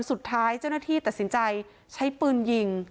สุดท้ายเจ้าหน้าที่ตัดสินใจใช้ปืนยิง